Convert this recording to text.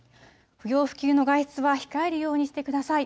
不要不急の外出は控えるようにしてください。